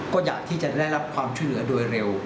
ก็อยากที่จะได้รับความช่วยเหลือโดยเร็ว